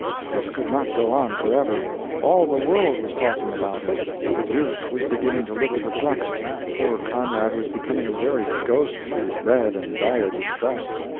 This could not go on forever. All the world was talking about it. The duke was beginning to look perplexed. Poor Conrad was becoming a very ghost through dread and dire distress.